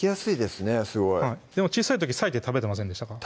すごいでも小さい時割いて食べてませんでしたか？